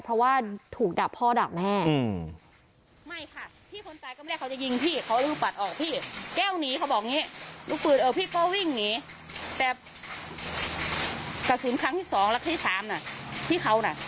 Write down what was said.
เพราะว่าถูกด่าพ่อด่าแม่